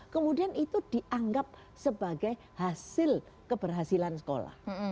kemudian itu dianggap sebagai hasil keberhasilan sekolah